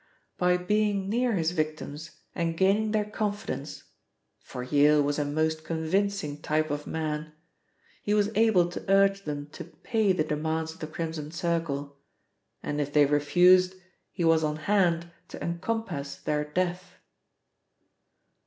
"By being near his victims and gaining their confidence for Yale was a most convincing type of man he was able to urge them to pay the demands of the Crimson Circle, and if they refused he was on hand to encompass their death.